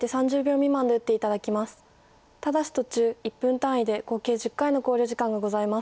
ただし途中１分単位で合計１０回の考慮時間がございます。